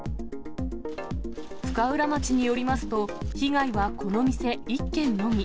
深浦町によりますと、被害はこの店１軒のみ。